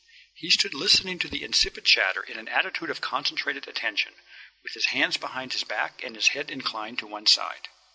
He stood listening to the insipid chatter in an attitude of concentrated attention, with his hands behind his back and his head inclined to one side.